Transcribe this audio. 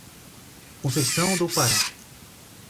Conceição do Pará